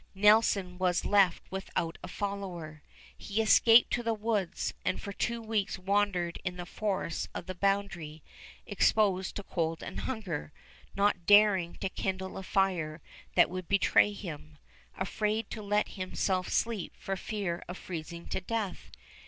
Nelson was left without a follower. He escaped to the woods, and for two weeks wandered in the forests of the boundary, exposed to cold and hunger, not daring to kindle a fire that would betray him, afraid to let himself sleep for fear of freezing to death.